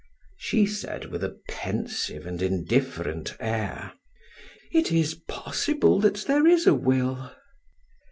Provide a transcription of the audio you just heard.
She said with a pensive and indifferent air: "It is possible that there is a will."